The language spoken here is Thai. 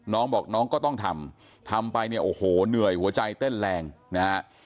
น้องบอกน้องก็ต้องทำทำไปเนี่ยโอ้โหเหนื่อยหัวใจเต้นแรงนะฮะ